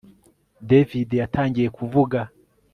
David yatangiye kuvuga